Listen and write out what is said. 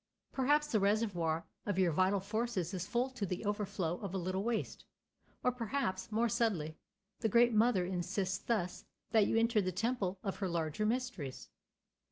Perhaps the reservoir of your vital forces is full to the overflow of a little waste; or perhaps, more subtly, the great Mother insists thus that you enter the temple of her larger mysteries.